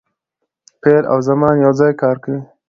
فعل او زمان یو ځای کار کوي.